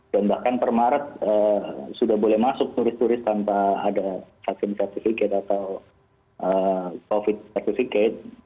dan bahkan per maret sudah boleh masuk turis turis tanpa ada vaksin sertifikat atau covid sembilan belas sertifikat